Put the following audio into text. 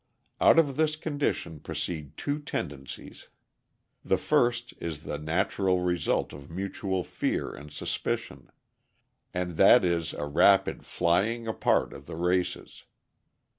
Out of this condition proceed two tendencies. The first is the natural result of mutual fear and suspicion, and that is, a rapid flying apart of the races.